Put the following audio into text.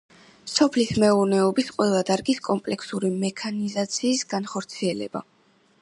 სოფლის მეურნეობის ყველა დარგის კომპლექსური მექანიზაციის განხორციელება.